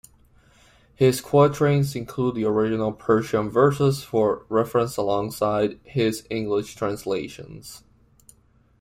His quatrains include the original Persian verses for reference alongside his English translations.